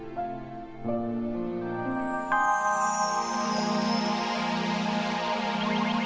bagaimana kita bisa mengatasi kebenaran kita